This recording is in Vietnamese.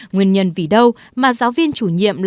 nguyên nhân vì đâu mà giáo viên chủ nhiệm